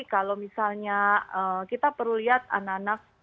kalau misalnya kita perlu lihat anak anak